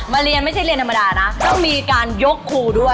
เรียนไม่ใช่เรียนธรรมดานะต้องมีการยกครูด้วย